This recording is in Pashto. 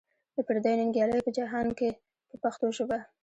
د پردیو ننګیالیو په جهان کې په پښتو ژبه.